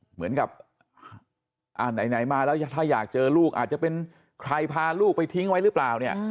เหมือนกับไหนมาแล้วถ้าอยากเจอลูกอาจจะเป็นใครพาลูกไปทิ้งไว้หรือเปล่าเนี่ย